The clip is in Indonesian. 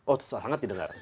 oh sangat didengar